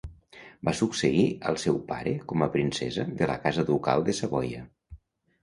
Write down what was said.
Va succeir al seu pare com a princesa de la casa ducal de Savoia.